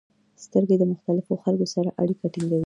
• سترګې د مختلفو خلکو سره اړیکه ټینګوي.